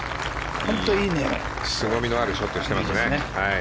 凄みのあるショットをしていますね。